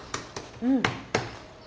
うん。